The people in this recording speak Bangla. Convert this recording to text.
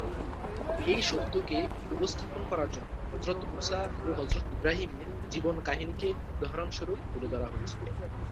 এই সত্যকে উপস্থাপন করার জন্য হযরত মুসা ও হযরত ইব্রাহিমের জীবন কাহিনীকে উদাহরণ স্বরূপ তুলে ধরা হয়েছে।